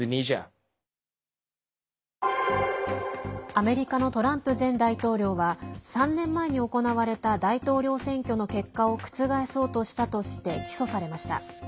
アメリカのトランプ前大統領は３年前に行われた大統領選挙の結果を覆そうとしたとして起訴されました。